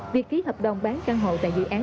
việc ký hợp đồng bán căn hộ tại dự án